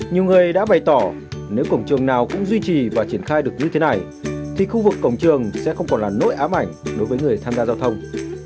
nhiều người đã bày tỏ nếu cổng trường nào cũng duy trì và triển khai được như thế này thì khu vực cổng trường sẽ không còn là nỗi ám ảnh đối với người tham gia giao thông